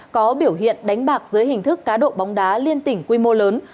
có biểu hiện đánh bạc dưới hình thức cá độ bóng đá liên tỉnh quy mô lớn